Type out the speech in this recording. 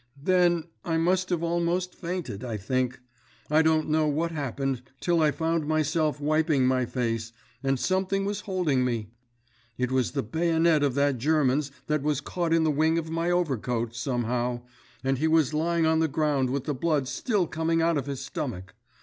"Then, I must have almost fainted, I think; I don't know what happened till I found myself wiping my face, and something was holding me. It was the bayonet of that German's that was caught in the wing of my overcoat, somehow—and he was lying on the ground with the blood still coming out of his stomach.